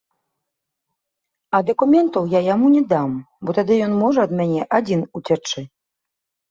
А дакументаў я яму не дам, бо тады ён можа ад мяне адзін уцячы.